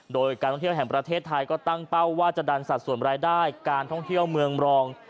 โดยการท่องเที่ยวแห่งประเทศไทยก็ตั้งเป้าว่าจะดันสัดส่วนรายได้การท่องเที่ยวเมืองรอง